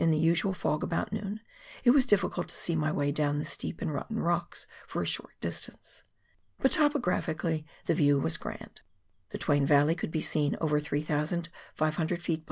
the usual fog about noon, it was difficult to see my way down the steep and rotten rocks for a short distance. But, topographically, the view was grand. The Twain Yalley could be seen over 3,500 ft.